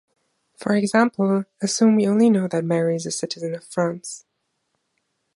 For example, assume we only know that Mary is a citizen of France.